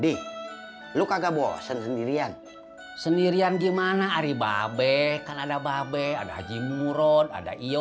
di lu kagak bosen sendirian sendirian gimana ari babe kan ada babe ada aji murod ada iyo